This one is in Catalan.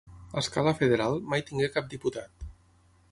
A escala federal, mai tingué cap diputat.